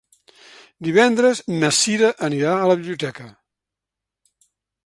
Divendres na Sira anirà a la biblioteca.